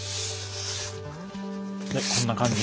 こんな感じ。